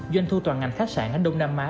doanh thu toàn ngành khách sạn ở đông nam á